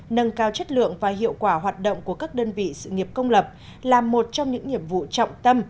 nâng cao chất lượng và hiệu quả hoạt động của các đơn vị sự nghiệp công lập là một trong những nhiệm vụ trọng tâm